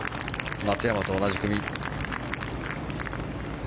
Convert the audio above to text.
松山と同じ組。